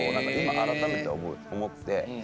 こう今改めて思って。